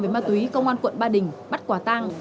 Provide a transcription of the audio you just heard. về ma túy công an quận ba đình bắt quả tăng